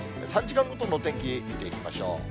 ３時間ごとのお天気、見ていきましょう。